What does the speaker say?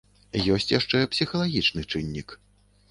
Ёсць яшчэ псіхалагічны чыннік.